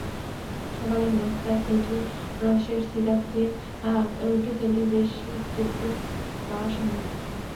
সকালের নাশতায় খেজুর রসের সিরাপ দিয়ে রুটি খেলেই বেশি তৃপ্তি পাওয়া সম্ভব।